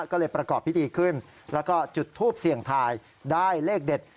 ก็เลยประกอบพิธีขึ้นแล้วก็จุดทูปเสี่ยงทายได้เลขเด็ด